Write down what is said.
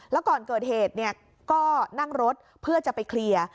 แล้วก่อนเกิดเหตุก็นั่งรถเพื่อจะไปเคลียร์